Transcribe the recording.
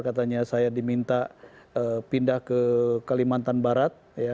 katanya saya diminta pindah ke kalimantan barat